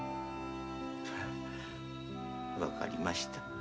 分かりました。